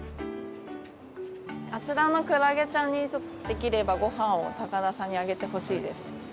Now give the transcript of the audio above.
あちらのクラゲちゃんにできればご飯を高田さんにあげてほしいです。